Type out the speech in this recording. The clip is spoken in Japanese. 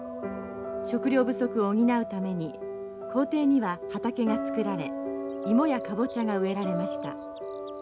食糧不足を補うために校庭には畑が作られイモやカボチャが植えられました。